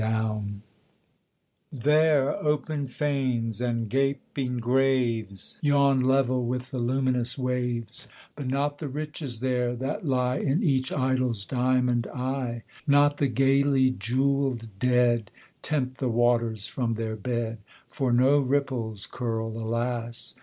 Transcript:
[Illustration: The City in the Sea] There open fanes and gaping graves Yawn level with the luminous waves; But not the riches there that lie In each idol's diamond eye Not the gaily jewelled dead Tempt the waters from their bed; For no ripples curl, alas!